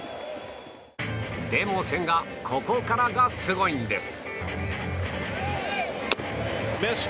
でも、千賀ここからがすごいんです！